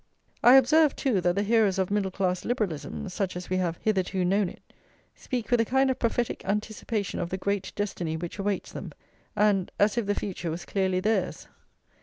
I observe, too, that the heroes of middle class liberalism, such as we have hitherto known it, speak with a kind of prophetic anticipation of the great destiny which awaits them, and as if the future was clearly theirs.